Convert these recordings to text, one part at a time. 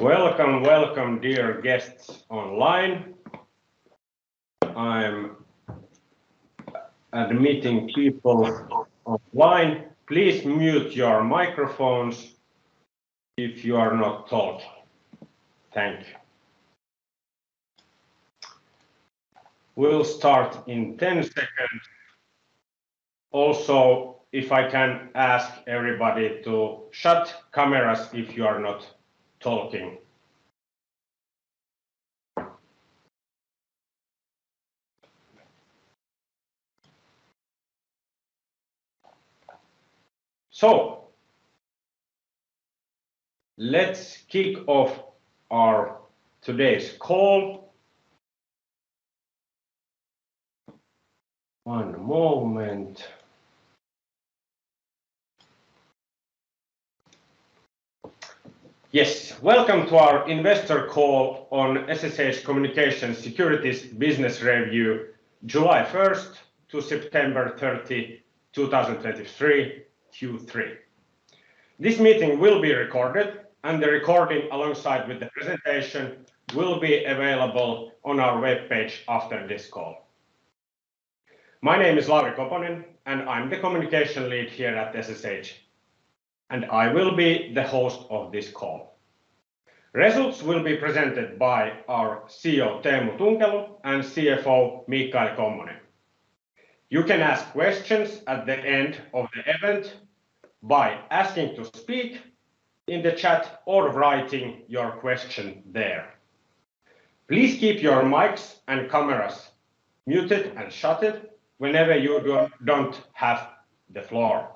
Welcome, welcome, dear guests online. I'm admitting people online. Please mute your microphones if you are not talking. Thank you. We'll start in 10 seconds. Also, if I can ask everybody to shut cameras if you are not talking. So, let's kick off our today's call. One moment. Yes, welcome to our investor call on SSH Communications Security's business review, July first to September 30, 2023, Q3. This meeting will be recorded, and the recording, alongside with the presentation, will be available on our webpage after this call. My name is Lauri Koponen, and I'm the communication lead here at SSH, and I will be the host of this call. Results will be presented by our CEO, Teemu Tunkelo, and CFO, Michael Kommonen. You can ask questions at the end of the event by asking to speak in the chat or writing your question there. Please keep your mics and cameras muted and shut it whenever you don't have the floor.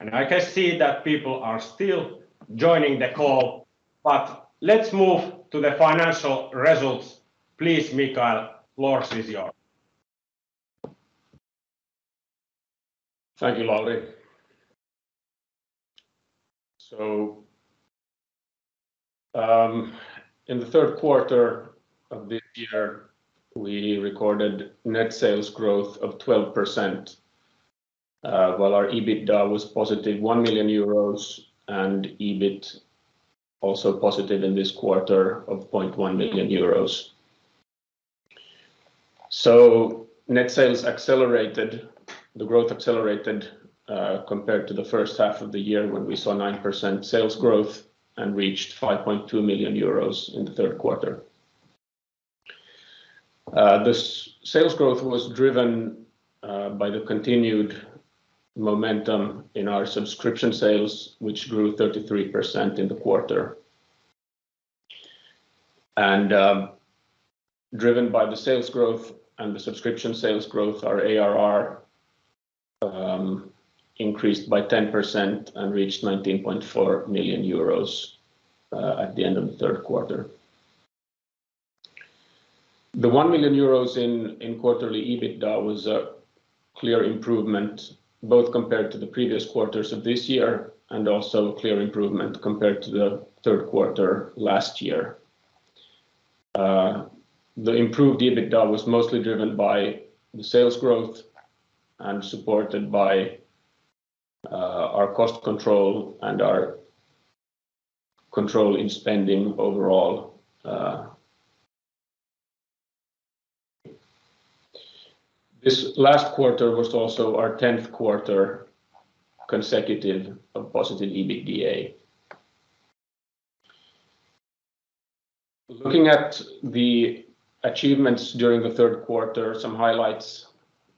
I can see that people are still joining the call, but let's move to the financial results. Please, Michael, floor is yours. Thank you, Lauri. So, in the third quarter of this year, we recorded net sales growth of 12%, while our EBITDA was positive 1 million euros and EBIT also positive in this quarter of 0.1 million euros. So net sales accelerated... The growth accelerated, compared to the first half of the year when we saw 9% sales growth and reached 5.2 million euros in the third quarter. This sales growth was driven by the continued momentum in our subscription sales, which grew 33% in the quarter. And, driven by the sales growth and the subscription sales growth, our ARR increased by 10% and reached 19.4 million euros at the end of the third quarter. The 1 million euros in quarterly EBITDA was a clear improvement, both compared to the previous quarters of this year, and also a clear improvement compared to the third quarter last year. The improved EBITDA was mostly driven by the sales growth and supported by, our cost control and our control in spending overall. This last quarter was also our tenth quarter consecutive of positive EBITDA. Looking at the achievements during the third quarter, some highlights,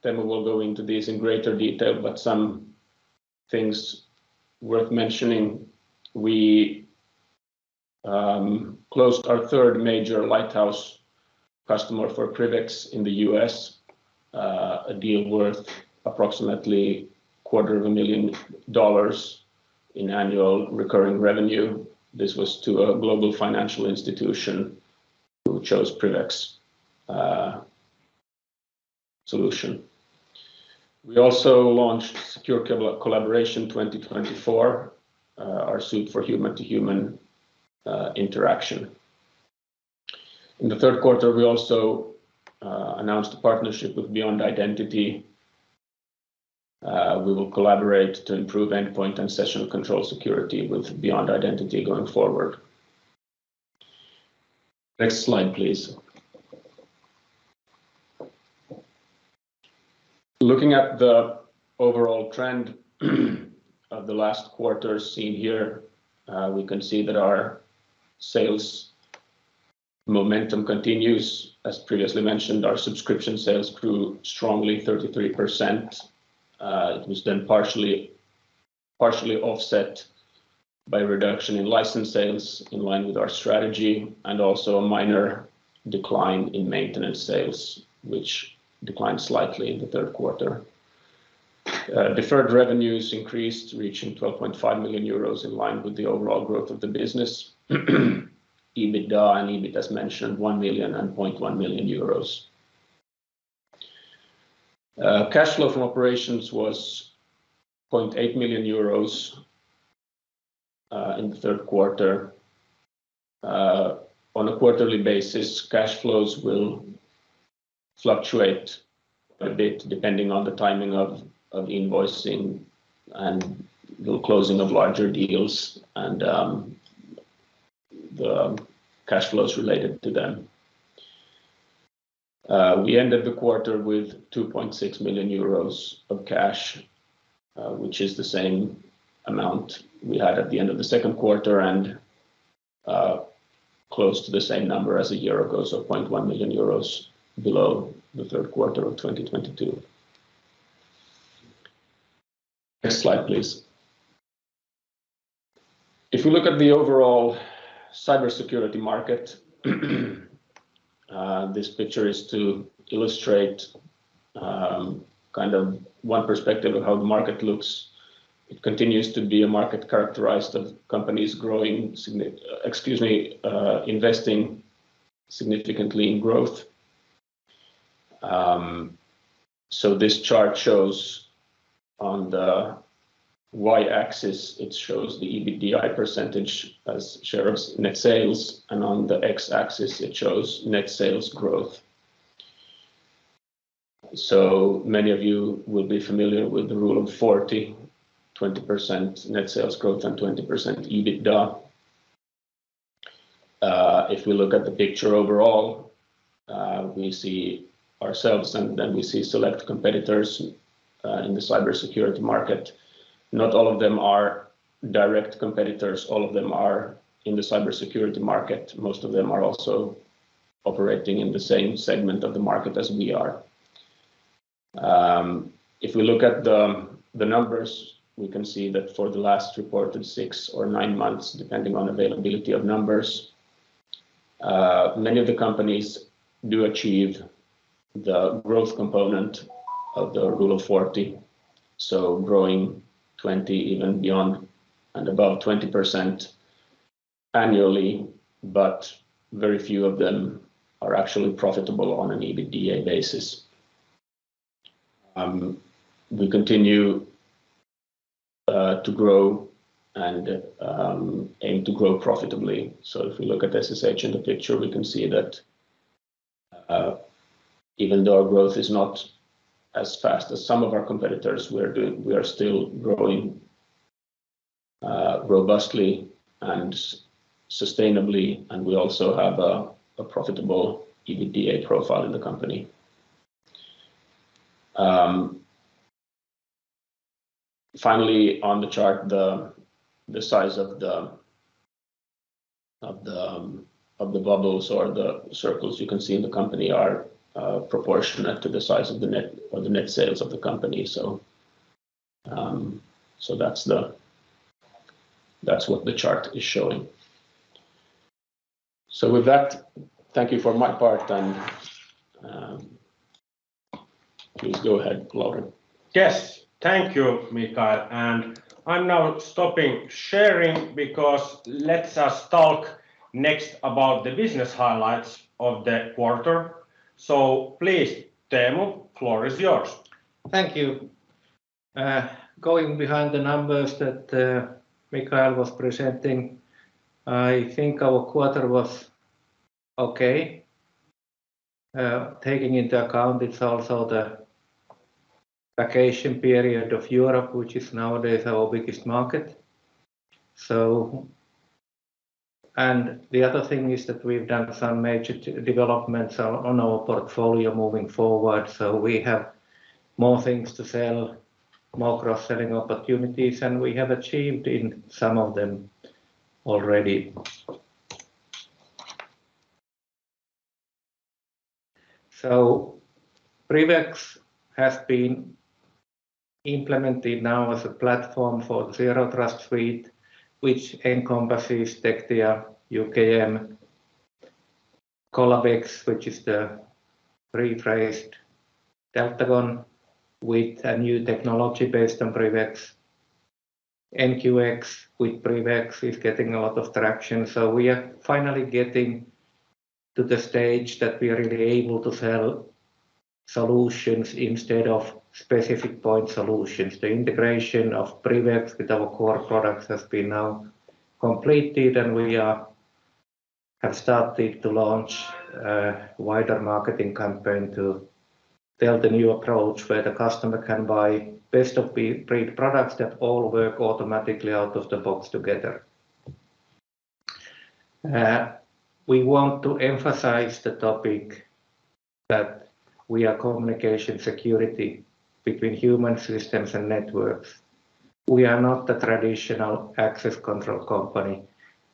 then we will go into this in greater detail, but some things worth mentioning. We closed our third major lighthouse customer for PrivX in the U.S., a deal worth approximately $250,000 in annual recurring revenue. This was to a global financial institution who chose PrivX solution. We also launched Secure Collaboration 2024, our suite for human-to-human interaction. In the third quarter, we also announced a partnership with Beyond Identity. We will collaborate to improve endpoint and session control security with Beyond Identity going forward. Next slide, please. Looking at the overall trend of the last quarter seen here, we can see that our sales momentum continues. As previously mentioned, our subscription sales grew strongly, 33%. It was then partially offset by a reduction in license sales in line with our strategy, and also a minor decline in maintenance sales, which declined slightly in the third quarter. Deferred revenues increased, reaching 12.5 million euros in line with the overall growth of the business. EBITDA and EBIT, as mentioned, 1 million and 0.1 million euros. Cash flow from operations was 0.8 million euros in the third quarter. On a quarterly basis, cash flows will fluctuate a bit depending on the timing of invoicing and the closing of larger deals and the cash flows related to them. We ended the quarter with 2.6 million euros of cash, which is the same amount we had at the end of the second quarter and close to the same number as a year ago, so 0.1 million euros below the third quarter of 2022. Next slide, please. If we look at the overall cybersecurity market, this picture is to illustrate kind of one perspective of how the market looks. It continues to be a market characterized of companies investing significantly in growth. So this chart shows on the Y-axis, it shows the EBITDA percentage as share of net sales, and on the X-axis, it shows net sales growth. Many of you will be familiar with the Rule of 40, 20% net sales growth and 20% EBITDA. If we look at the picture overall, we see ourselves, and then we see select competitors in the cybersecurity market. Not all of them are direct competitors. All of them are in the cybersecurity market. Most of them are also operating in the same segment of the market as we are. If we look at the numbers, we can see that for the last reported six or nine months, depending on availability of numbers, many of the companies do achieve the growth component of the Rule of 40, so growing 20%, even beyond and above 20% annually, but very few of them are actually profitable on an EBITDA basis. We continue to grow and aim to grow profitably. So if we look at SSH in the picture, we can see that, even though our growth is not as fast as some of our competitors, we're doing... we are still growing robustly and sustainably, and we also have a profitable EBITDA profile in the company. Finally, on the chart, the size of the bubbles or the circles you can see in the company are proportionate to the size of the net sales of the company. So that's the- that's what the chart is showing. So with that, thank you for my part, and please go ahead, Lauri. Yes. Thank you, Michael, and I'm now stopping sharing because let's just talk next about the business highlights of the quarter. Please, Teemu, floor is yours. Thank you. Going behind the numbers that Michael was presenting, I think our quarter was okay. Taking into account, it's also the vacation period of Europe, which is nowadays our biggest market. So... And the other thing is that we've done some major developments on our portfolio moving forward, so we have more things to sell, more cross-selling opportunities, and we have achieved in some of them already. So PrivX has been implemented now as a platform for Zero Trust suite, which encompasses Tectia, UKM, CollabX, which is the rebranded Deltagon with a new technology based on PrivX. NQX with PrivX is getting a lot of traction, so we are finally getting to the stage that we are really able to sell solutions instead of specific point solutions. The integration of PrivX with our core products has been now completed, and we have started to launch a wider marketing campaign to build a new approach where the customer can buy best-of-breed products that all work automatically out of the box together. We want to emphasize the topic that we are communication security between human systems and networks. We are not the traditional access control company,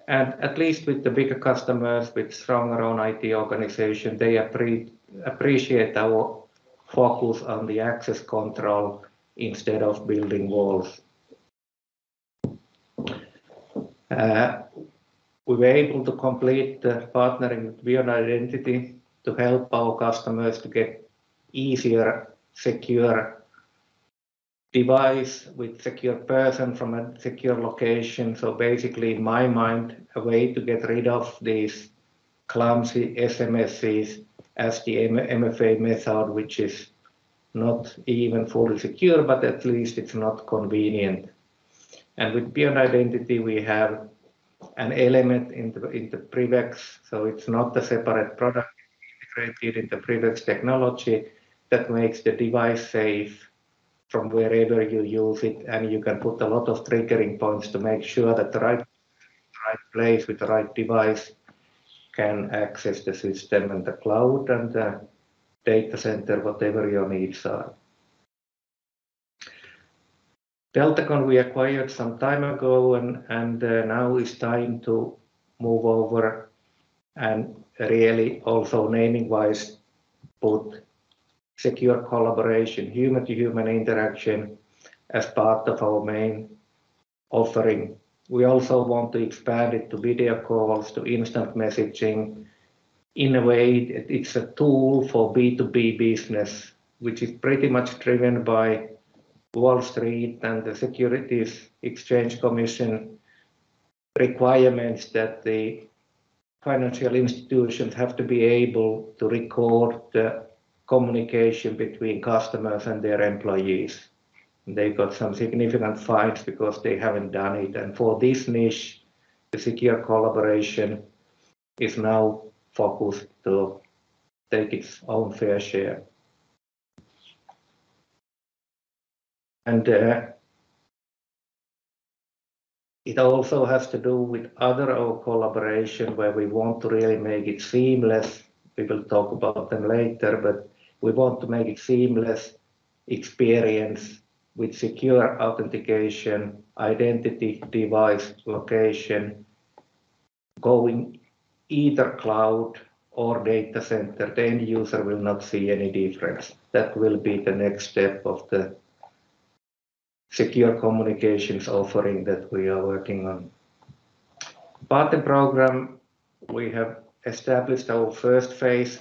and at least with the bigger customers, with stronger own IT organization, they appreciate our focus on the access control instead of building walls. We were able to complete the partnering with Beyond Identity to help our customers to get easier, secure device with secure person from a secure location. So basically, in my mind, a way to get rid of these clumsy SMSs as the MFA method, which is not even fully secure, but at least it's not convenient. And with Beyond Identity, we have an element in the, in the PrivX, so it's not a separate product, integrated in the PrivX technology that makes the device safe from wherever you use it, and you can put a lot of triggering points to make sure that the right, right place with the right device can access the system and the cloud and the data center, whatever your needs are. Deltagon we acquired some time ago, and, and, now it's time to move over and really also naming wise, put secure collaboration, human-to-human interaction, as part of our main offering. We also want to expand it to video calls, to instant messaging. In a way, it's a tool for B2B business, which is pretty much driven by Wall Street and the Securities and Exchange Commission requirements that the financial institutions have to be able to record the communication between customers and their employees. They've got some significant fines because they haven't done it, and for this niche, the secure collaboration is now focused to take its own fair share. And it also has to do with other collaboration, where we want to really make it seamless. We will talk about them later, but we want to make it seamless experience with secure authentication, identity, device, location, going either cloud or data center. The end user will not see any difference. That will be the next step of the secure communications offering that we are working on. Partner program, we have established our first phase.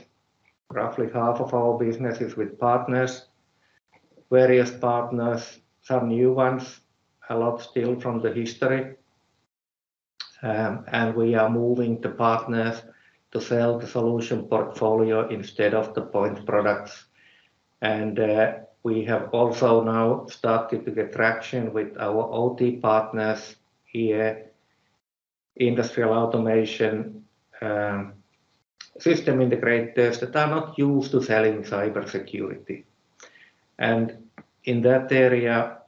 Roughly half of our business is with partners, various partners, some new ones, a lot still from the history. We are moving the partners to sell the solution portfolio instead of the point products. We have also now started to get traction with our OT partners here, industrial automation, system integrators that are not used to selling cybersecurity. In that area,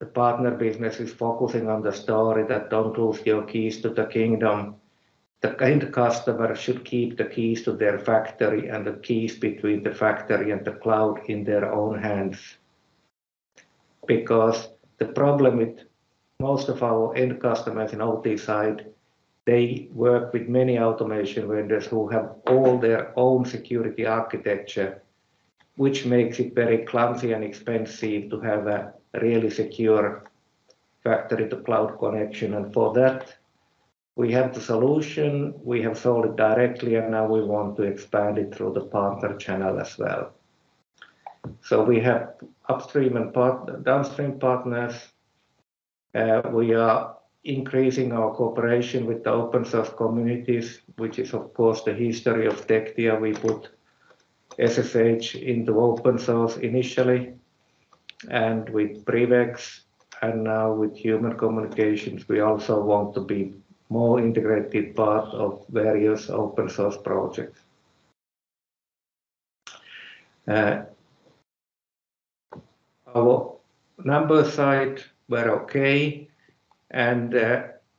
the partner business is focusing on the story that don't lose your keys to the kingdom. The end customer should keep the keys to their factory and the keys between the factory and the cloud in their own hands. Because the problem with most of our end customers in OT side, they work with many automation vendors who have all their own security architecture, which makes it very clumsy and expensive to have a really secure factory-to-cloud connection. And for that, we have the solution. We have sold it directly, and now we want to expand it through the partner channel as well. So we have upstream and downstream partners. We are increasing our cooperation with the open source communities, which is, of course, the history of Tectia. We put SSH into open source initially and with PrivX, and now with human communications, we also want to be more integrated part of various open source projects. Our numbers side were okay, and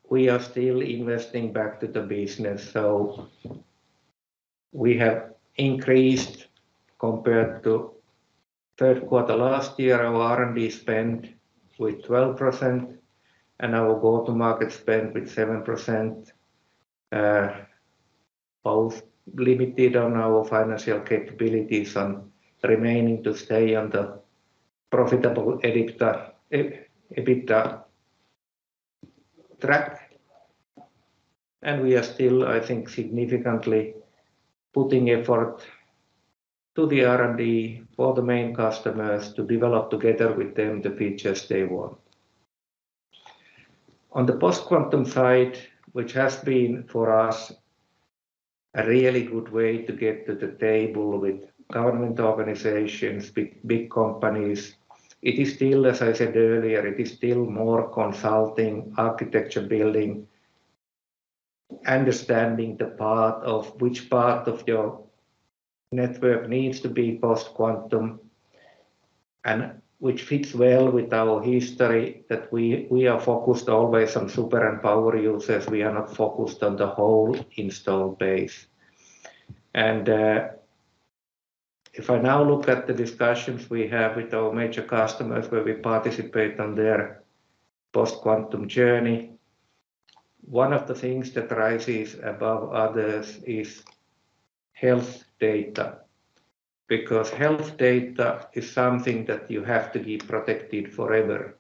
we are still investing back to the business. So we have increased compared to third quarter last year, our R&D spend with 12% and our go-to-market spend with 7%. Both limited on our financial capabilities and remaining to stay on the profitable EBITDA track. We are still, I think, significantly putting effort to the R&D for the main customers to develop together with them the features they want. On the post-quantum side, which has been for us a really good way to get to the table with government organizations, big, big companies, it is still, as I said earlier, it is still more consulting, architecture building, understanding the part of—which part of your network needs to be post-quantum, and which fits well with our history, that we, we are focused always on super and power users. We are not focused on the whole installed base. And, if I now look at the discussions we have with our major customers, where we participate on their post-quantum journey, one of the things that rises above others is health data, because health data is something that you have to keep protected forever.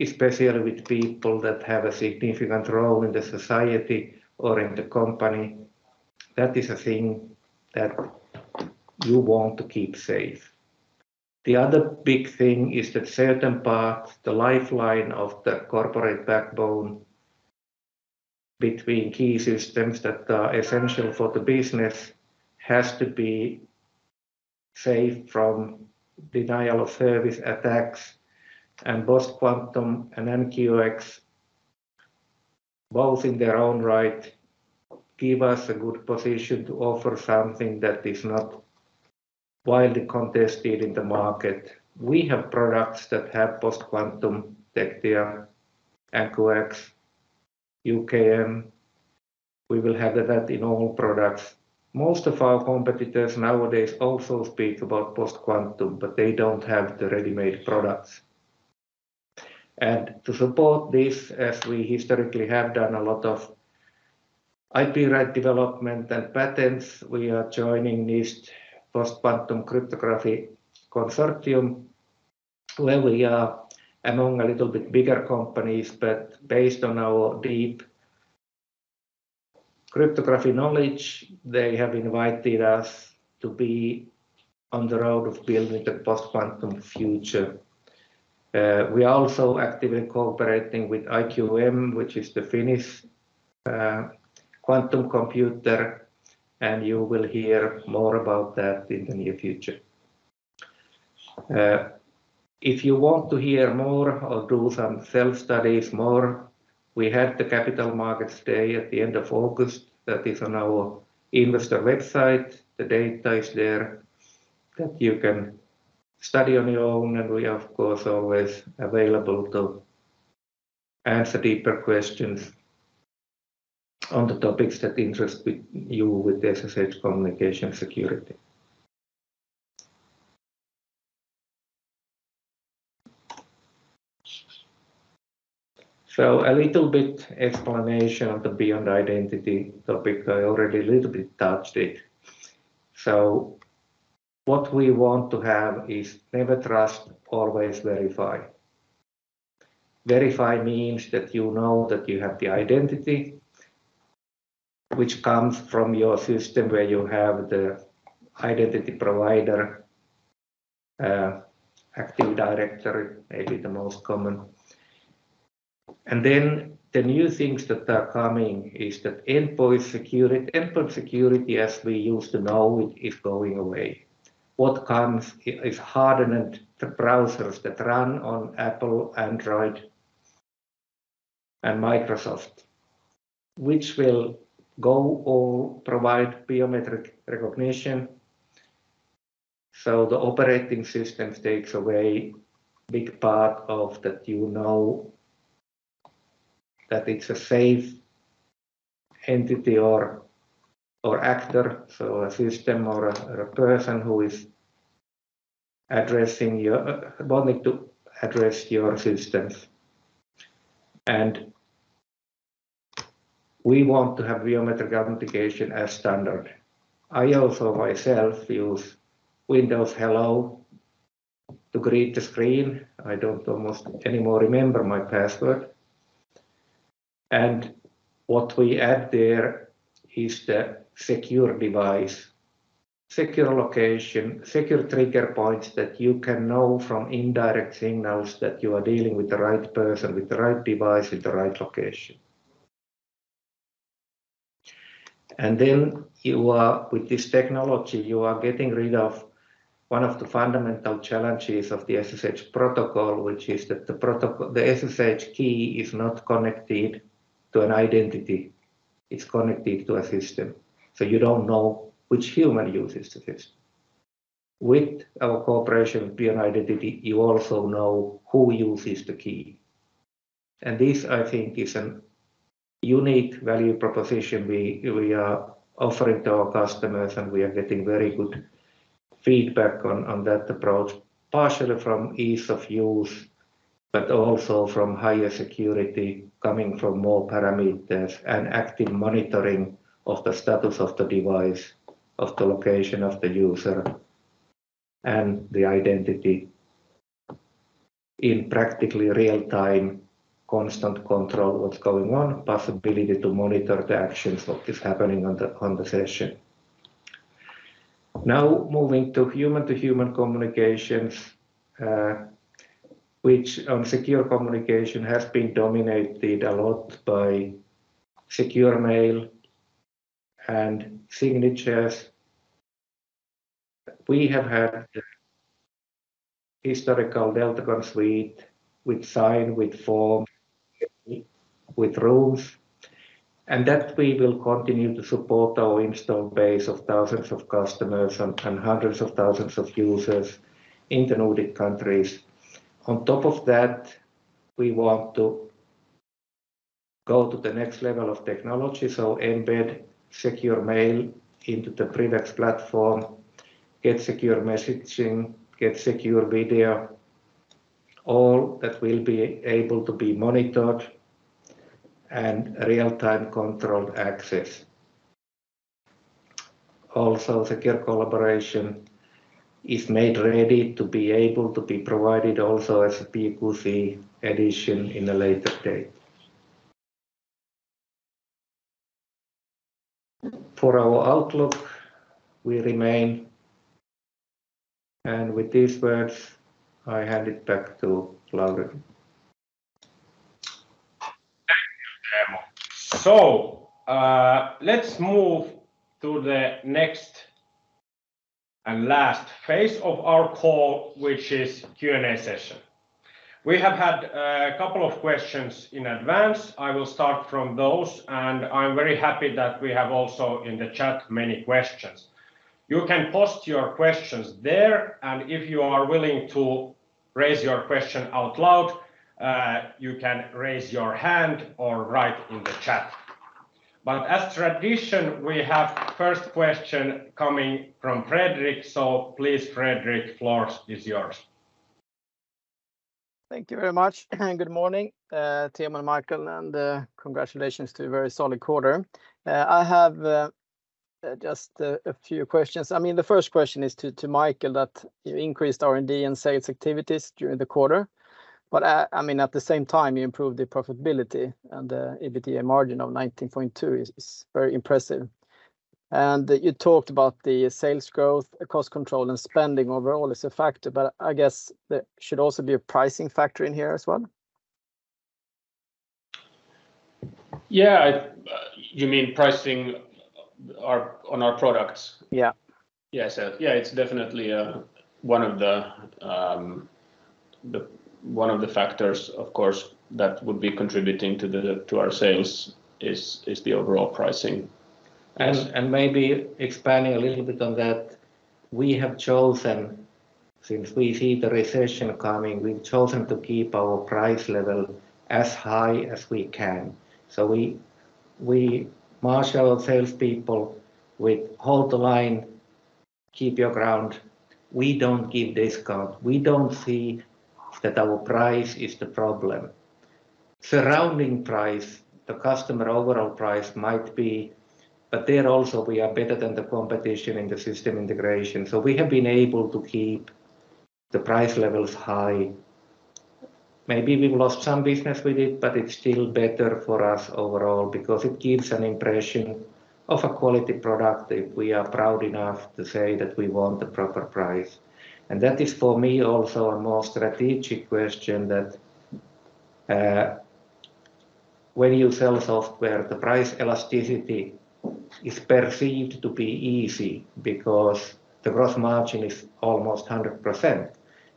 especially with people that have a significant role in the society or in the company, that is a thing that you want to keep safe. The other big thing is that certain parts, the lifeline of the corporate backbone between key systems that are essential for the business, has to be safe from denial of service attacks, and Post-Quantum and NQX, both in their own right, give us a good position to offer something that is not widely contested in the market. We have products that have Post-Quantum tech there, NQX, UKM. We will have that in all products. Most of our competitors nowadays also speak about Post-Quantum, but they don't have the ready-made products. To support this, as we historically have done a lot of IP right development and patents, we are joining this post-quantum cryptography consortium, where we are among a little bit bigger companies, but based on our deep cryptography knowledge, they have invited us to be on the road of building the post-quantum future. We are also actively cooperating with IQM, which is the Finnish quantum computer, and you will hear more about that in the near future. If you want to hear more or do some self-studies more, we had the Capital Markets Day at the end of August. That is on our investor website. The data is there that you can study on your own, and we are, of course, always available to answer deeper questions on the topics that interest you with the SSH Communications Security. So a little bit explanation on the Beyond Identity topic. I already a little bit touched it. So what we want to have is never trust, always verify. Verify means that you know that you have the identity, which comes from your system where you have the identity provider, Active Directory, maybe the most common. And then the new things that are coming is that endpoint security. Endpoint security, as we used to know it, is going away. What comes is hardened, the browsers that run on Apple, Android, and Microsoft, which will go or provide biometric recognition. So the operating system takes away big part of that you know that it's a safe entity or, or actor, so a system or a, a person who is addressing your, wanting to address your systems. And we want to have biometric authentication as standard. I also myself use Windows Hello to greet the screen. I don't almost anymore remember my password. And what we add there is the secure device, secure location, secure trigger points that you can know from indirect signals that you are dealing with the right person, with the right device, with the right location. And then you are, with this technology, you are getting rid of one of the fundamental challenges of the SSH protocol, which is that the protocol, the SSH key is not connected to an identity, it's connected to a system. So you don't know which human uses the system. With our cooperation with Beyond Identity, you also know who uses the key, and this, I think, is a unique value proposition we are offering to our customers, and we are getting very good feedback on that approach, partially from ease of use, but also from higher security coming from more parameters and active monitoring of the status of the device, of the location of the user, and the identity in practically real time, constant control what's going on, possibility to monitor the actions, what is happening on the conversation. Now, moving to human-to-human communications, which on secure communication has been dominated a lot by secure mail and signatures. We have had historical Deltagon suite with sign, with form, with rules, and that we will continue to support our installed base of thousands of customers and hundreds of thousands of users in the Nordic countries. On top of that, we want to go to the next level of technology, so embed secure mail into the PrivX platform, get secure messaging, get secure video, all that will be able to be monitored and real-time controlled access. Also, secure collaboration is made ready to be able to be provided also as a PQC edition in a later date. For our outlook, we remain. With these words, I hand it back to Lauri. Thank you, Teemu. So, let's move to the next and last phase of our call, which is Q&A session. We have had a couple of questions in advance. I will start from those, and I'm very happy that we have also in the chat many questions. You can post your questions there, and if you are willing to raise your question out loud, you can raise your hand or write in the chat. But as tradition, we have first question coming from Fredrik. So please, Fredrik, floor is yours. Thank you very much, and good morning, Teemu and Michael, and, congratulations to a very solid quarter. I have just a few questions. I mean, the first question is to Michael, that you increased R&D and sales activities during the quarter, but I mean, at the same time, you improved the profitability and the EBITDA margin of 19.2% is very impressive. And you talked about the sales growth, cost control, and spending overall is a factor, but I guess there should also be a pricing factor in here as well? Yeah. You mean pricing on our products? Yeah. Yes. Yeah, it's definitely one of the factors, of course, that would be contributing to our sales is the overall pricing. And- And maybe expanding a little bit on that, we have chosen, since we see the recession coming, we've chosen to keep our price level as high as we can. So we, we marshal our salespeople with, "Hold the line, keep your ground. We don't give discount." We don't see that our price is the problem. Surrounding price, the customer overall price might be, but there also we are better than the competition in the system integration. So we have been able to keep the price levels high. Maybe we've lost some business with it, but it's still better for us overall because it gives an impression of a quality product if we are proud enough to say that we want the proper price. That is for me also a more strategic question that when you sell software, the price elasticity is perceived to be easy because the gross margin is almost 100%.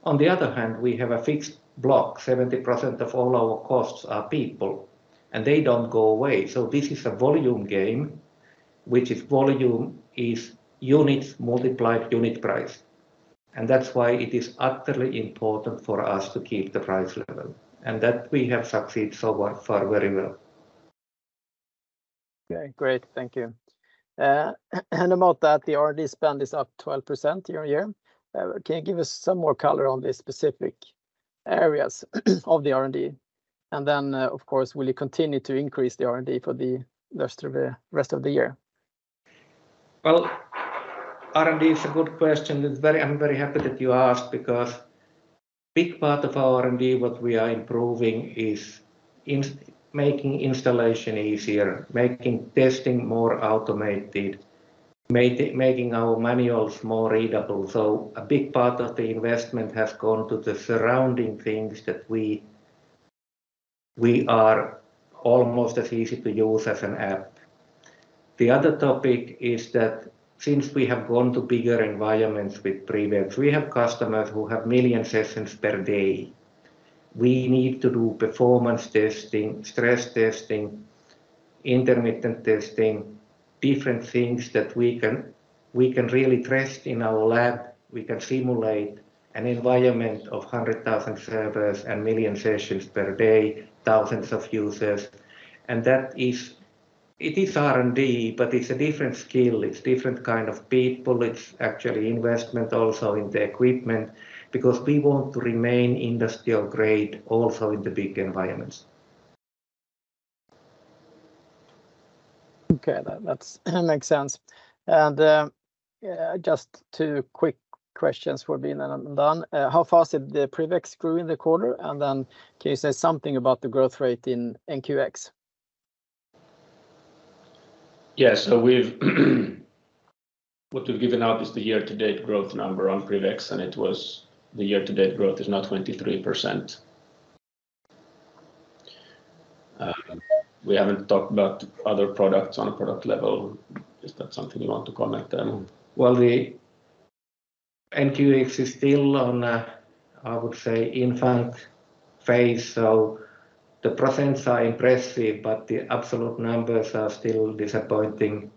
On the other hand, we have a fixed block. 70% of all our costs are people, and they don't go away. So this is a volume game, which is volume is units multiplied unit price, and that's why it is utterly important for us to keep the price level, and that we have succeeded so far, far very well. Okay, great. Thank you. And about that, the R&D spend is up 12% year-on-year. Can you give us some more color on the specific areas of the R&D? And then, of course, will you continue to increase the R&D for the rest of the year? Well, R&D is a good question. It's very... I'm very happy that you asked because a big part of our R&D, what we are improving is making installation easier, making testing more automated, making our manuals more readable. So a big part of the investment has gone to the surrounding things that we are almost as easy to use as an app. The other topic is that since we have gone to bigger environments with PrivX, we have customers who have 1 million sessions per day. We need to do performance testing, stress testing, intermittent testing, different things that we can really trust in our lab. We can simulate an environment of 100,000 servers and 1 million sessions per day, thousands of users, and that is, it is R&D, but it's a different skill. It's different kind of people. It's actually investment also in the equipment, because we want to remain industrial grade also in the big environments. Okay, that makes sense. And, yeah, just two quick questions before we're done. How fast did the PrivX grow in the quarter? And then can you say something about the growth rate in NQX? Yeah, so we've... What we've given out is the year-to-date growth number on PrivX, and it was the year-to-date growth is now 23%. We haven't talked about other products on a product level. Is that something you want to comment on, Teemu? Well, the NQX is still on a, I would say, infant phase. So the percents are impressive, but the absolute numbers are still disappointing.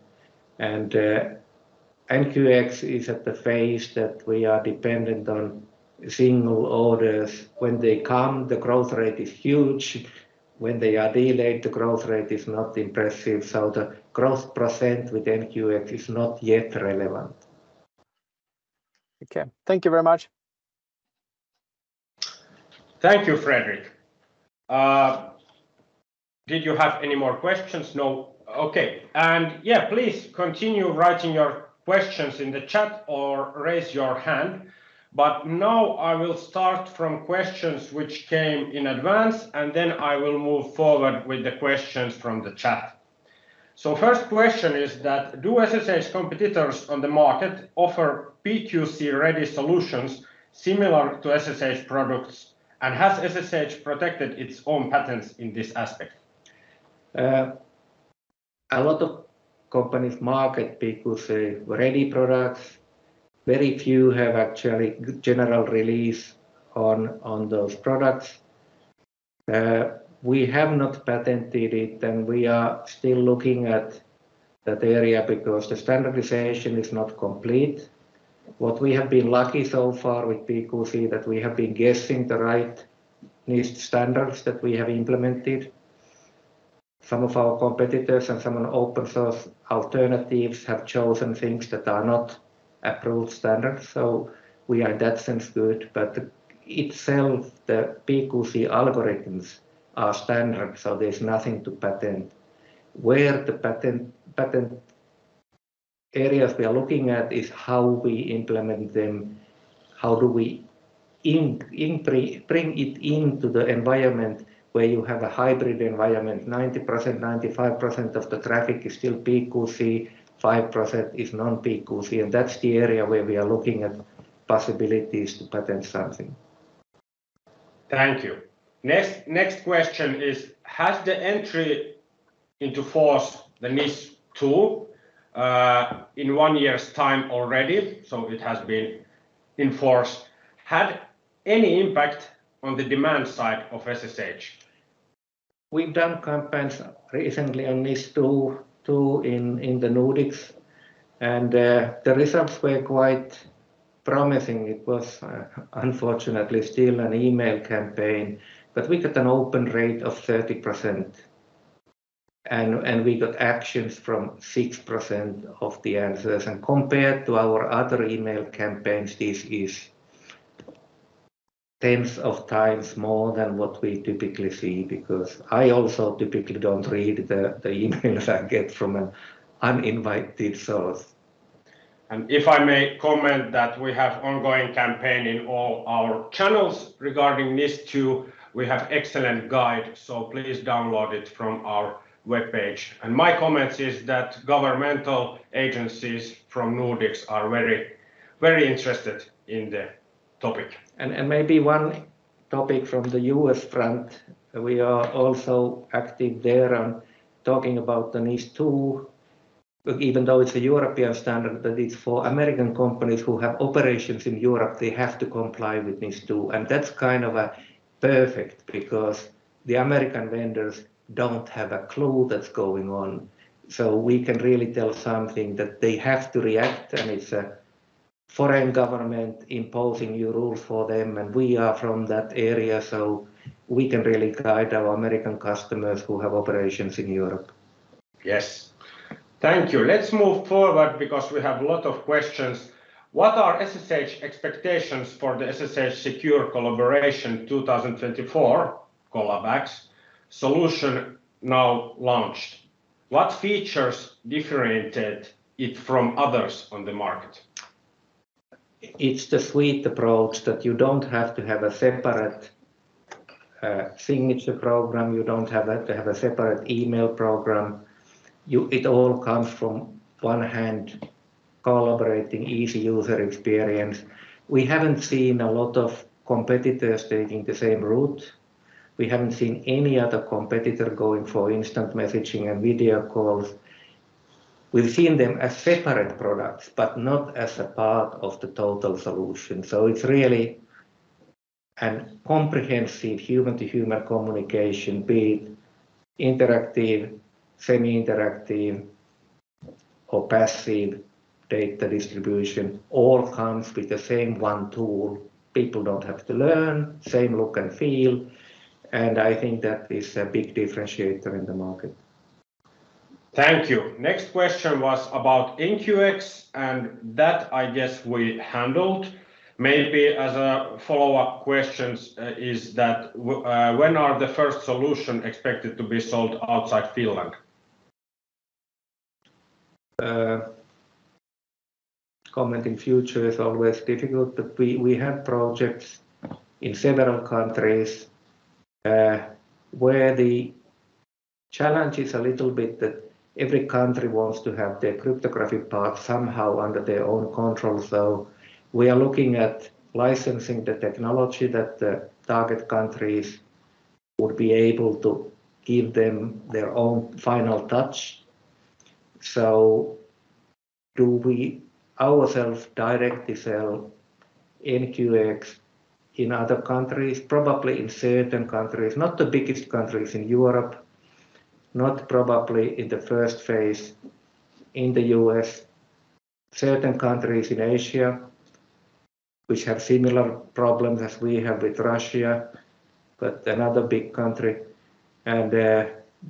And, NQX is at the phase that we are dependent on single orders. When they come, the growth rate is huge. When they are delayed, the growth rate is not impressive. So the growth percent with NQX is not yet relevant. Okay. Thank you very much.... Thank you, Fredrik. Did you have any more questions? No. Okay. Yeah, please continue writing your questions in the chat or raise your hand, but now I will start from questions which came in advance, and then I will move forward with the questions from the chat. So first question is that: Do SSH competitors on the market offer PQC-ready solutions similar to SSH products, and has SSH protected its own patents in this aspect? A lot of companies market PQC-ready products. Very few have actually general release on, on those products. We have not patented it, and we are still looking at that area because the standardization is not complete. What we have been lucky so far with PQC, that we have been guessing the right NIST standards that we have implemented. Some of our competitors and some open source alternatives have chosen things that are not approved standards, so we are in that sense good. But itself, the PQC algorithms are standard, so there's nothing to patent. Where the patent areas we are looking at is how we implement them, how do we bring it into the environment where you have a hybrid environment, 90%, 95% of the traffic is still PQC, 5% is non-PQC, and that's the area where we are looking at possibilities to patent something. Thank you. Next, next question is: Has the entry into force the NIS2, in one year's time already, so it has been in force, had any impact on the demand side of SSH? We've done campaigns recently on NIS2, too, in the Nordics, and the results were quite promising. It was, unfortunately, still an email campaign, but we got an open rate of 30%, and we got actions from 6% of the answers. And compared to our other email campaigns, this is tens of times more than what we typically see, because I also typically don't read the emails I get from an uninvited source. If I may comment that we have ongoing campaign in all our channels regarding NIS2. We have excellent guide, so please download it from our webpage. My comments is that governmental agencies from Nordics are very, very interested in the topic. And maybe one topic from the U.S. front, we are also active there and talking about the NIS2, even though it's a European standard, but it's for American companies who have operations in Europe, they have to comply with NIS2. And that's kind of perfect because the American vendors don't have a clue what's going on. So we can really tell something that they have to react, and it's a foreign government imposing new rules for them, and we are from that area, so we can really guide our American customers who have operations in Europe. Yes. Thank you. Let's move forward because we have a lot of questions. What are SSH expectations for the SSH Secure Collaboration 2024, CollabX solution now launched? What features differentiated it from others on the market? It's the suite approach that you don't have to have a separate signature program, you don't have to have a separate email program. It all comes from one hand collaborating, easy user experience. We haven't seen a lot of competitors taking the same route. We haven't seen any other competitor going for instant messaging and video calls. We've seen them as separate products, but not as a part of the total solution. So it's really a comprehensive human-to-human communication, be it interactive, semi-interactive, or passive data distribution, all comes with the same one tool. People don't have to learn, same look and feel, and I think that is a big differentiator in the market. Thank you. Next question was about NQX, and that I guess we handled. Maybe as a follow-up questions, is that when are the first solution expected to be sold outside Finland? Commenting future is always difficult, but we, we have projects in several countries, where the challenge is a little bit that every country wants to have their cryptographic part somehow under their own control. So we are looking at licensing the technology that the target countries would be able to give them their own final touch. So do we ourselves directly sell NQX in other countries? Probably in certain countries, not the biggest countries in Europe, not probably in the first phase in the U.S. Certain countries in Asia, which have similar problems as we have with Russia, but another big country....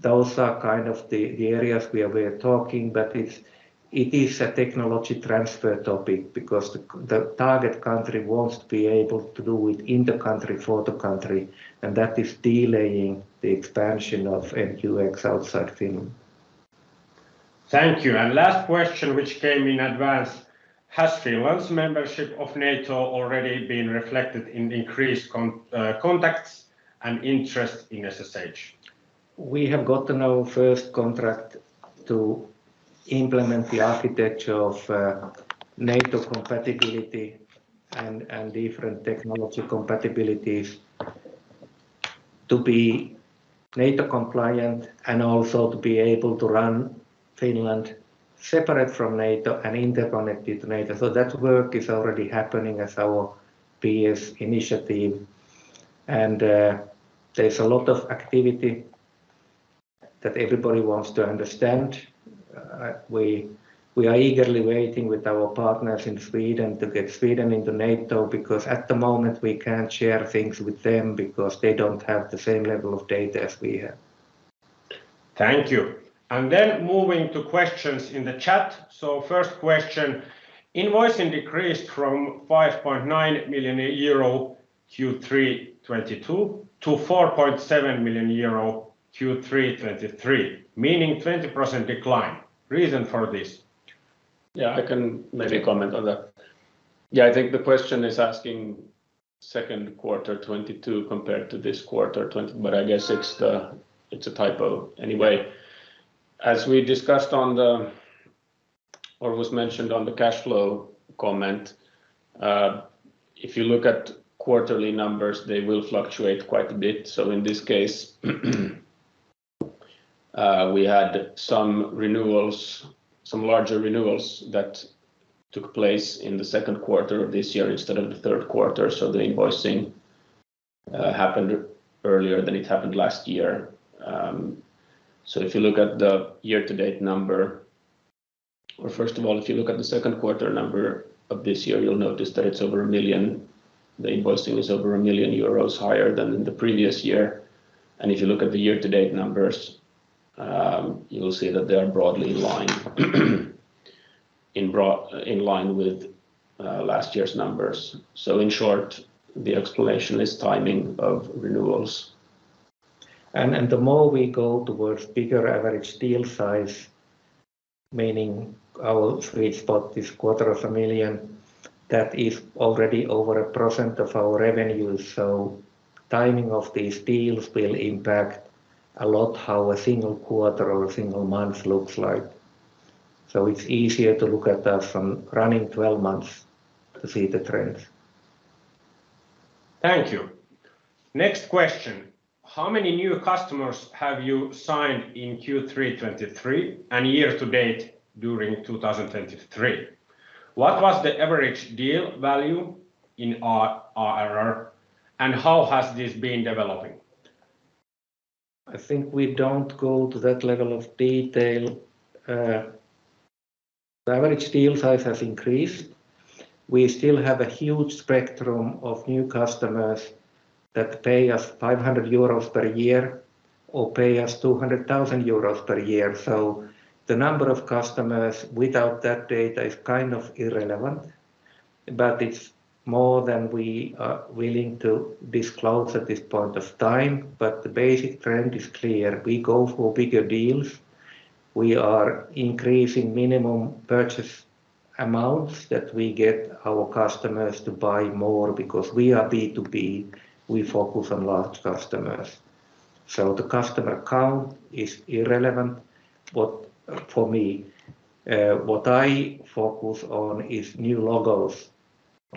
Those are kind of the areas where we're talking, but it's a technology transfer topic because the target country wants to be able to do it in the country for the country, and that is delaying the expansion of NQX outside Finland. Thank you. And last question, which came in advance: Has Finland's membership of NATO already been reflected in increased contacts and interest in SSH? We have gotten our first contract to implement the architecture of NATO compatibility and different technology compatibilities to be NATO compliant and also to be able to run Finland separate from NATO and interconnected to NATO. So that work is already happening as our PS initiative, and there's a lot of activity that everybody wants to understand. We are eagerly waiting with our partners in Sweden to get Sweden into NATO, because at the moment we can't share things with them because they don't have the same level of data as we have. Thank you. Then moving to questions in the chat. First question, invoicing decreased from 5.9 million euro Q3 2022 to 4.7 million euro Q3 2023, meaning 20% decline. Reason for this? Yeah, I can maybe comment on that. Yeah, I think the question is asking second quarter 2022 compared to this quarter twenty... But I guess it's a typo. Anyway, as we discussed on the, or was mentioned on the cash flow comment, if you look at quarterly numbers, they will fluctuate quite a bit. So in this case, we had some renewals, some larger renewals that took place in the second quarter of this year instead of the third quarter, so the invoicing happened earlier than it happened last year. So if you look at the year-to-date number, or first of all, if you look at the second quarter number of this year, you'll notice that it's over 1 million. The invoicing is over 1 million euros higher than the previous year. If you look at the year-to-date numbers, you will see that they are broadly in line with last year's numbers. So in short, the explanation is timing of renewals. The more we go towards bigger average deal size, meaning our sweet spot is $250,000, that is already over 1% of our revenue, so timing of these deals will impact a lot how a single quarter or a single month looks like. It's easier to look at us from running 12 months to see the trends. Thank you. Next question: How many new customers have you signed in Q3 2023 and year to date during 2023? What was the average deal value in ARR, and how has this been developing? I think we don't go to that level of detail. The average deal size has increased. We still have a huge spectrum of new customers that pay us 500 euros per year, or pay us 200,000 euros per year. So the number of customers without that data is kind of irrelevant, but it's more than we are willing to disclose at this point of time. But the basic trend is clear: we go for bigger deals. We are increasing minimum purchase amounts that we get our customers to buy more because we are B2B, we focus on large customers. So the customer count is irrelevant. But for me, what I focus on is new logos.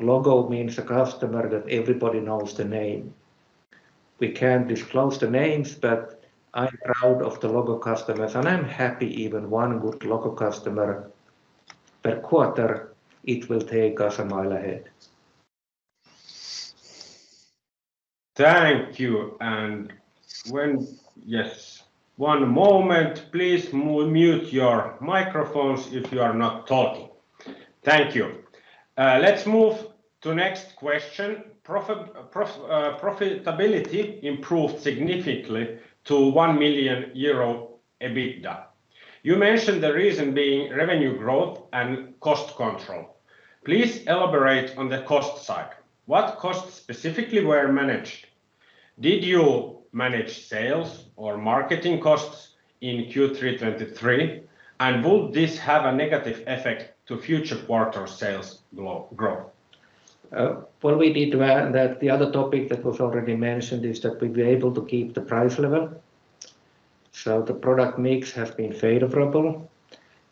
Logo means a customer that everybody knows the name. We can't disclose the names, but I'm proud of the logo customers, and I'm happy even one good logo customer per quarter, it will take us a mile ahead. Thank you. Yes, one moment, please mute your microphones if you are not talking. Thank you. Let's move to next question. Profitability improved significantly to 1 million euro EBITDA. You mentioned the reason being revenue growth and cost control. Please elaborate on the cost side. What costs specifically were managed? Did you manage sales or marketing costs in Q3 2023, and would this have a negative effect to future quarter sales growth? What we did were that the other topic that was already mentioned is that we were able to keep the price level, so the product mix has been favorable.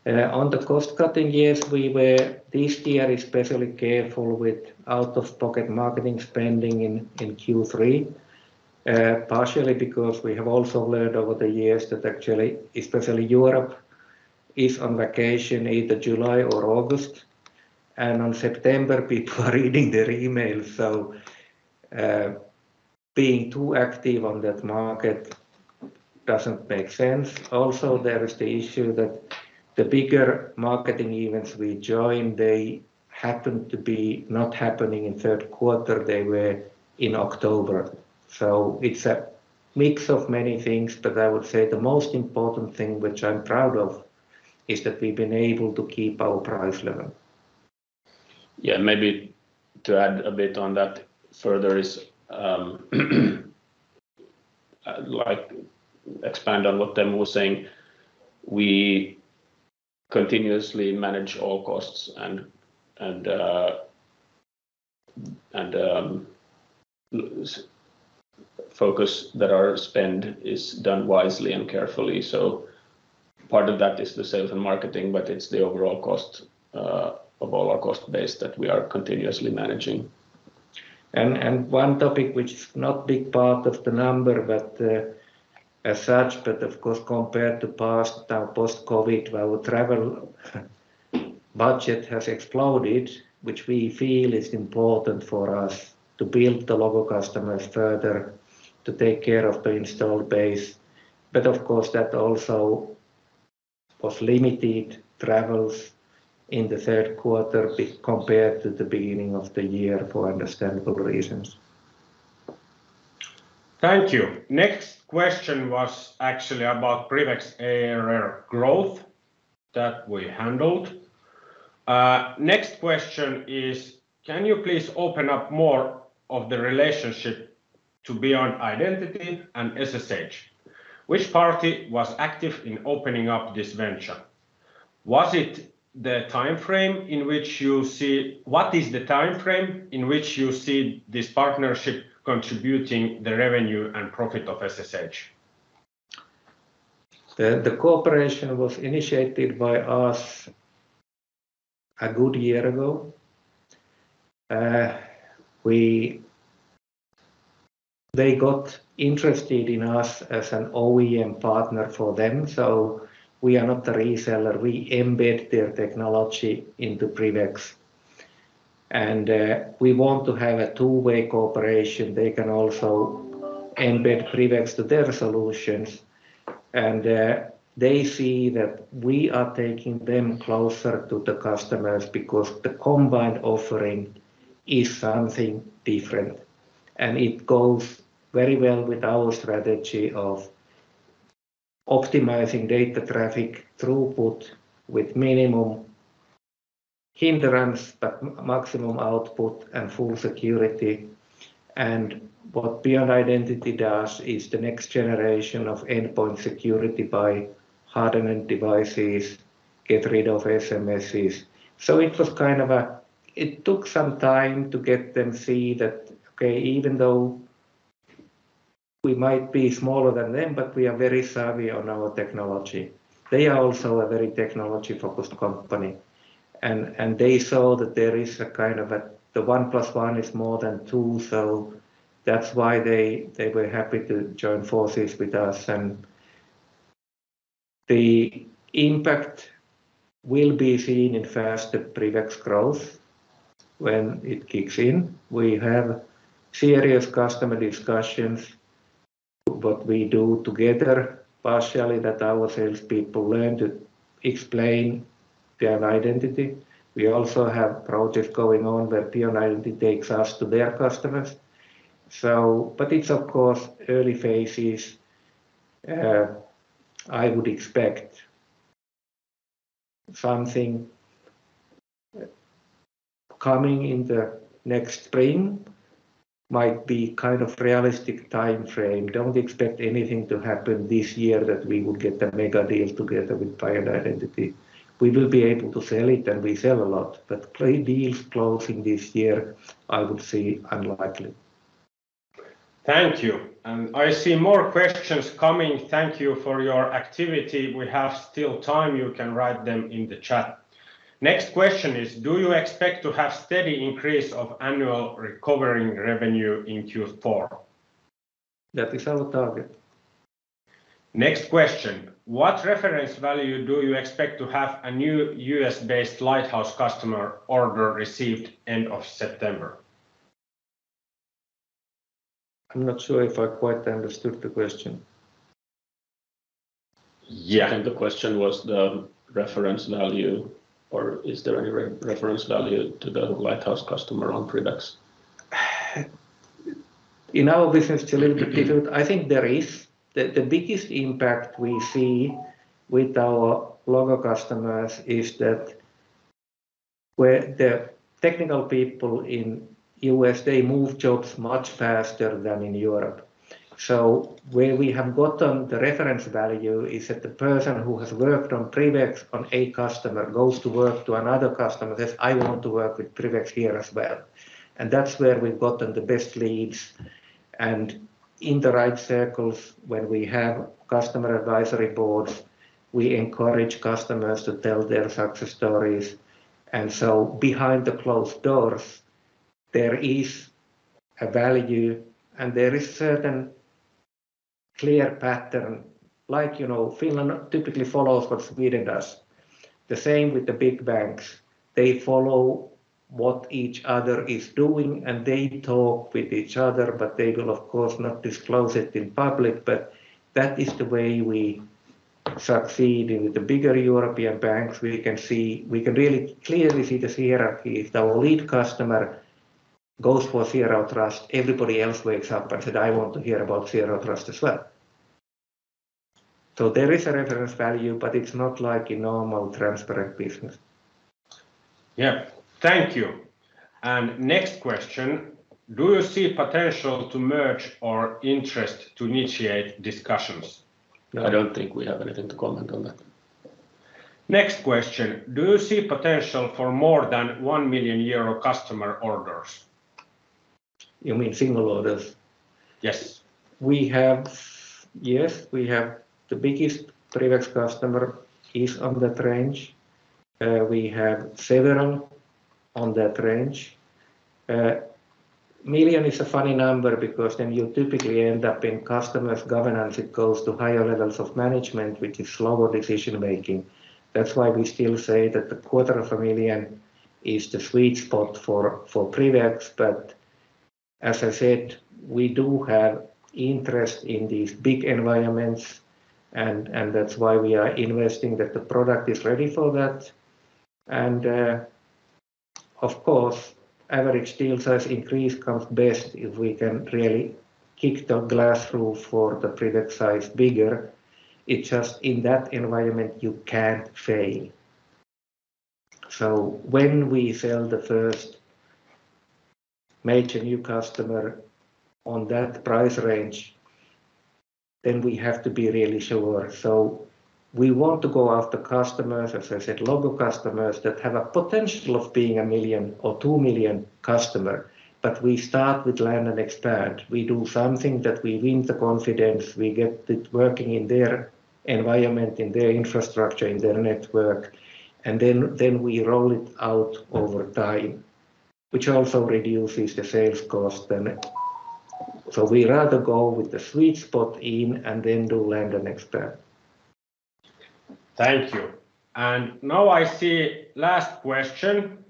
On the cost-cutting years, we were this year especially careful with out-of-pocket marketing spending in Q3, partially because we have also learned over the years that actually, especially Europe, is on vacation either July or August, and on September, people are reading their emails. So, being too active on that market doesn't make sense. Also, there is the issue that the bigger marketing events we joined, they happened to be not happening in third quarter, they were in October. So it's a mix of many things, but I would say the most important thing, which I'm proud of, is that we've been able to keep our price level. Yeah, maybe to add a bit on that further is, like, expand on what Teemu was saying. We continuously manage all costs and focus that our spend is done wisely and carefully. So part of that is the sales and marketing, but it's the overall cost of all our cost base that we are continuously managing. One topic which is not big part of the number, but as such, but of course, compared to past our post-COVID, our travel budget has exploded, which we feel is important for us to build the logo customers further, to take care of the installed base. But of course, that also was limited travels in the third quarter compared to the beginning of the year for understandable reasons. Thank you. Next question was actually about PrivX ARR growth that we handled. Next question is, can you please open up more of the relationship to Beyond Identity and SSH? Which party was active in opening up this venture? Was it the timeframe in which you see... What is the timeframe in which you see this partnership contributing the revenue and profit of SSH? The cooperation was initiated by us a good year ago. They got interested in us as an OEM partner for them, so we are not the reseller. We embed their technology into PrivX, and we want to have a two-way cooperation. They can also embed PrivX to their solutions, and they see that we are taking them closer to the customers because the combined offering is something different, and it goes very well with our strategy of optimizing data traffic throughput with minimum hindrance, but maximum output and full security. And what Beyond Identity does is the next generation of endpoint security by hardening devices, get rid of SMSs. So it was kind of a... It took some time to get them see that, okay, even though we might be smaller than them, but we are very savvy on our technology. They are also a very technology-focused company, and they saw that there is a kind of a, the one plus one is more than two, so that's why they were happy to join forces with us. And the impact will be seen in faster PrivX growth when it kicks in. We have serious customer discussions, what we do together, partially, that our sales people learn to explain their identity. We also have projects going on where Beyond Identity takes us to their customers. So... But it's, of course, early phases. I would expect something coming in the next spring, might be kind of realistic timeframe. Don't expect anything to happen this year that we will get the mega deals together with Beyond Identity. We will be able to sell it, and we sell a lot, but great deals closing this year, I would say unlikely. Thank you. And I see more questions coming. Thank you for your activity. We have still time. You can write them in the chat. Next question is, do you expect to have steady increase of annual recurring revenue in Q4? That is our target. Next question: What reference value do you expect to have a new U.S.-based lighthouse customer order received end of September? I'm not sure if I quite understood the question. Yeah, I think the question was the reference value, or is there any reference value to the lighthouse customer on PrivX? In our business delivery period, I think there is. The biggest impact we see with our logo customers is that where the technical people in the U.S., they move jobs much faster than in Europe. So where we have gotten the reference value is that the person who has worked on PrivX on a customer goes to work to another customer, says, "I want to work with PrivX here as well." And that's where we've gotten the best leads. And in the right circles, when we have customer advisory boards, we encourage customers to tell their success stories. And so behind the closed doors, there is a value, and there is certain clear pattern. Like, you know, Finland typically follows what Sweden does. The same with the big banks, they follow-... What each other is doing, and they talk with each other, but they will of course not disclose it in public. But that is the way we succeed in the bigger European banks. We can really clearly see the hierarchy. If our lead customer goes for Zero Trust, everybody else wakes up and said, "I want to hear about Zero Trust as well." So there is a reference value, but it's not like a normal, transparent business. Yeah. Thank you. Next question: Do you see potential to merge or interest to initiate discussions? No, I don't think we have anything to comment on that. Next question: Do you see potential for more than 1 million euro customer orders? You mean single orders? Yes. We have. Yes, we have. The biggest PrivX customer is on that range. We have several on that range. A million is a funny number because then you typically end up in customer's governance. It goes to higher levels of management, which is slower decision-making. That's why we still say that the quarter of a million is the sweet spot for PrivX. But as I said, we do have interest in these big environments, and, and that's why we are investing that the product is ready for that. And, of course, average deal size increase comes best if we can really kick the glass roof for the product size bigger. It's just in that environment, you can't fail. So when we sell the first major new customer on that price range, then we have to be really sure. So we want to go after customers, as I said, logo customers that have a potential of being a 1 million or 2 million customer, but we start with land and expand. We do something that we win the confidence, we get it working in their environment, in their infrastructure, in their network, and then we roll it out over time, which also reduces the sales cost then. So we rather go with the sweet spot in and then do land and expand. Thank you. And now I see last question,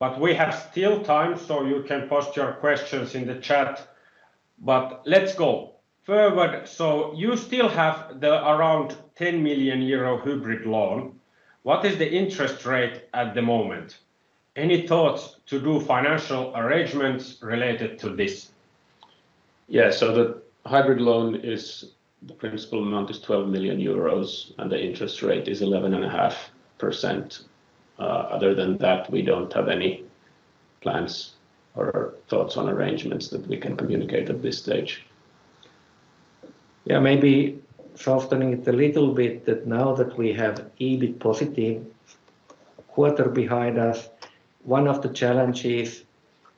but we have still time, so you can post your questions in the chat, but let's go forward. So you still have the around 10 million euro hybrid loan. What is the interest rate at the moment? Any thoughts to do financial arrangements related to this? Yeah, so the hybrid loan is... the principal amount is 12 million euros, and the interest rate is 11.5%. Other than that, we don't have any plans or thoughts on arrangements that we can communicate at this stage. Yeah, maybe softening it a little bit, that now that we have EBIT positive quarter behind us, one of the challenges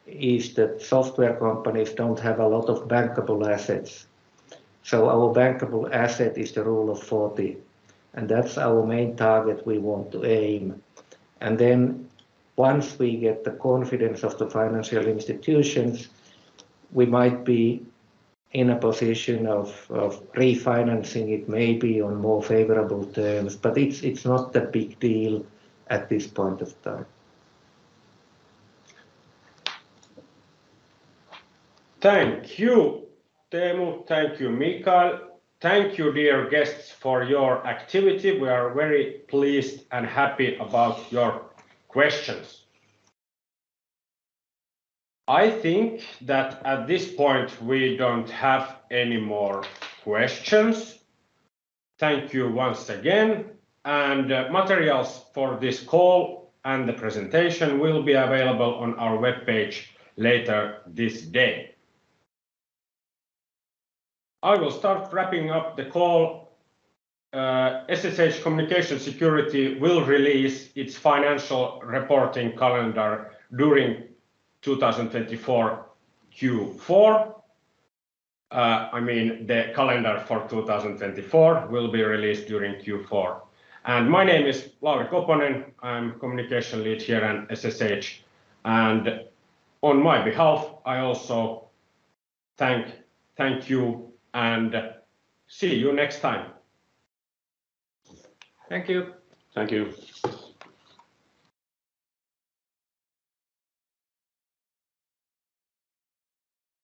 is that software companies don't have a lot of bankable assets. So our bankable asset is the Rule of Forty, and that's our main target we want to aim. And then once we get the confidence of the financial institutions, we might be in a position of, of refinancing it, maybe on more favorable terms, but it's, it's not a big deal at this point of time. Thank you, Teemu. Thank you, Michael. Thank you, dear guests, for your activity. We are very pleased and happy about your questions. I think that at this point, we don't have any more questions. Thank you once again, and materials for this call and the presentation will be available on our webpage later this day. I will start wrapping up the call. SSH Communications Security will release its financial reporting calendar during 2024 Q4. I mean, the calendar for 2024 will be released during Q4. My name is Lauri Koponen. I'm Communication Lead here in SSH, and on my behalf, I also thank, thank you and see you next time. Thank you. Thank you.